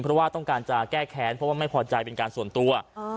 เพราะว่าต้องการจะแก้แค้นเพราะว่าไม่พอใจเป็นการส่วนตัว